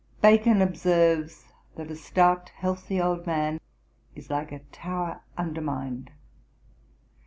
Bacon observes, that a stout healthy old man is like a tower undermined.'